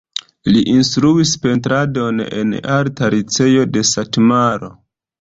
Li instruis pentradon en Arta liceo de Satmaro.